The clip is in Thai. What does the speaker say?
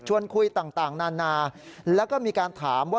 คุยต่างนานาแล้วก็มีการถามว่า